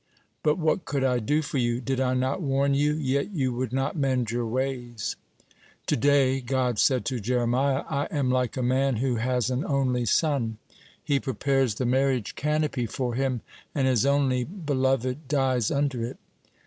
But what could I do for you? Did I not warn you? Yet you would not mend your ways." "To day," God said to Jeremiah, "I am like a man who has an only son. He prepares the marriage canopy for him, and his only beloved dies under it.